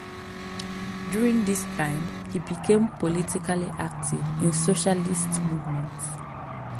During this time, he became politically active in socialist movements.